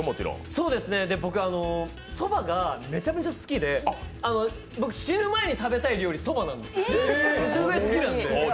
そうですね、僕、そばがめちゃくちゃ好きで僕、死ぬ前に食べたい料理、そばなんですよ。